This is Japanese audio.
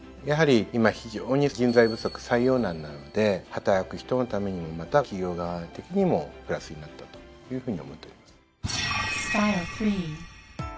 やはり今非常に人材不足採用難なので働く人のためにもまた企業側的にもプラスになったというふうに思っております。